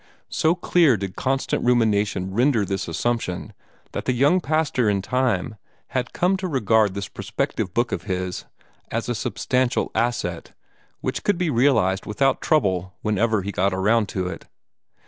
So clear did constant rumination render this assumption that the young pastor in time had come to regard this prospective book of his as a substantial asset, which could be realized without trouble whenever he got around to it.